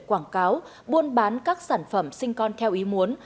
quảng cáo buôn bán các sản phẩm sinh con theo ý muốn